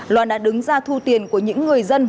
loan đã đứng ra thu tiền của những người dân